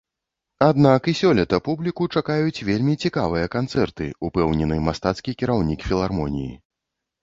Аднак і сёлета публіку чакаюць вельмі цікавыя канцэрты, упэўнены мастацкі кіраўнік філармоніі.